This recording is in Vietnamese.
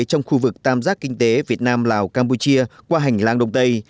trong khu vực tam giác kinh tế việt nam lào campuchia qua hành lang đông tây